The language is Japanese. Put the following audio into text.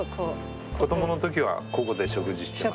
子どもの時はここで食事してました。